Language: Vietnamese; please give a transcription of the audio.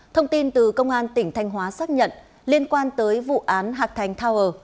thông tin từ công an tỉnh thanh hóa xác nhận liên quan tới vụ án hạc thành tower